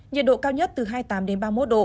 nhiệt độ cao nhất từ hai mươi tám đến ba mươi một độ